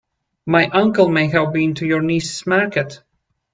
My uncle may have been to your niece's market.